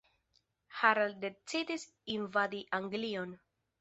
Harald decidis invadi Anglion.